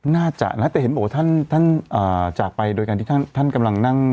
น่าจะนะแต่เห็นบอกว่าท่านท่านจากไปโดยการที่ท่านกำลังนั่ง